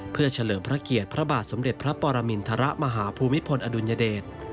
เพื่อเฉลิมพระเกียรติพระบาทสมเด็จพระปรมินทรมาหาภูมิพลอดุลยเดช